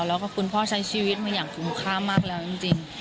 แล้วก็คุณพ่อใช้ชีวิตมาอย่างคุ้มค่ามากแล้วจริง